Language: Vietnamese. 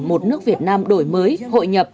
một nước việt nam đổi mới hội nhập